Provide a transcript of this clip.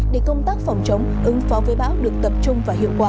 để công tác phòng chống ứng phó với bão được tập trung và hiệu quả